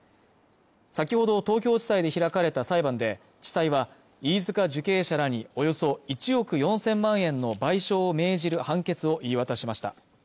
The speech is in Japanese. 先ほど東京地裁で開かれた裁判で地裁は飯塚受刑者らにおよそ１億４０００万円の賠償を命じる判決を言い渡しました